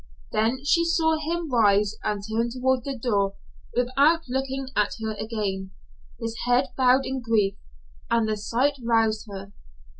Then she saw him rise and turn toward the door without looking at her again, his head bowed in grief, and the sight roused her.